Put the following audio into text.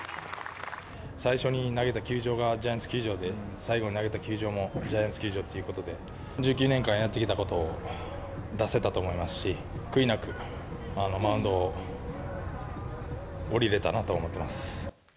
最初に投げた球場がジャイアンツ球場で、最後に投げた球場もジャイアンツ球場っていうことで、１９年間やってきたことを出せたと思いますし、悔いなくマウンドを降りれたなと思ってます。